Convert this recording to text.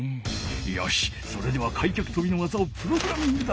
よしそれでは開脚とびの技をプログラミングだ。